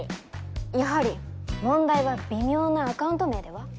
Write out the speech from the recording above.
やはり問題は微妙なアカウント名では？